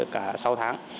cả sáu tháng